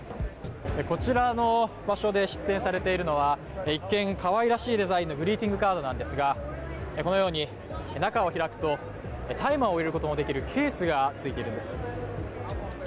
こちらの場所で出展されているのは、一見、かわいらしいデザインのグリーティングカードなんですがこのように中を開くと大麻を入れることもできるケースがついているんです。